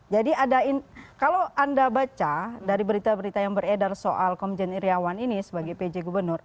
jadi ada kalau anda baca dari berita berita yang beredar soal komjen irawan ini sebagai pj gubernur